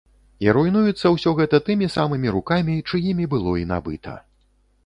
І руйнуецца ўсё гэта тымі самымі рукамі, чыімі было і набыта.